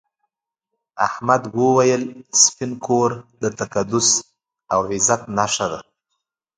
احمد وویل سپین کور د تقدس او عزت نښه ده.